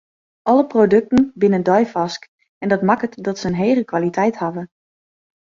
Alle produkten binne deifarsk en dat makket dat se in hege kwaliteit hawwe.